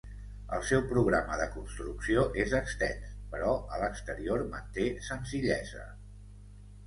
El seu programa de construcció és extens, però a l'exterior manté senzillesa.